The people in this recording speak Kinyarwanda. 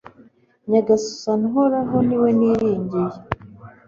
Nyagasani Uhoraho ni we niringiye